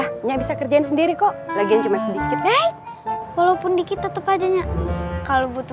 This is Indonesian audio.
tidak bisa kerjain sendiri kok lagian cuma sedikit deh walaupun di kita tetap aja kalau butuh